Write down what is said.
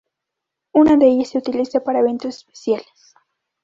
Una de ellas se utiliza para eventos especiales.